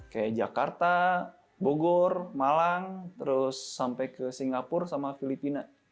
kayak jakarta bogor malang terus sampai ke singapura sama filipina